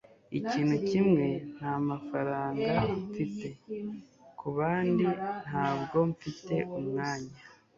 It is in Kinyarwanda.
Ikintu kimwe ntamafaranga mfite; kubandi, ntabwo mfite umwanya.